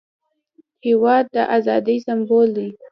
هېواد د ازادۍ سمبول دی.